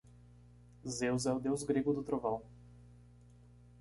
Zeus é o deus grego do trovão.